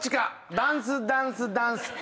「ダンスダンスダンス２」